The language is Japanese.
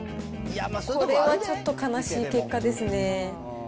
これはちょっと悲しい結果ですね。